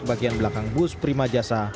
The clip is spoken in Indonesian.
bagian belakang bus prima jasa